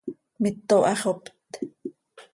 ¡Mito haxopt!